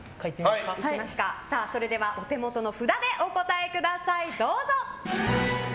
それではお手元の札でお答えください。